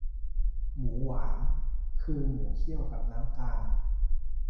หมูหวาน คือหมูเคี่ยวกับน้ำตาล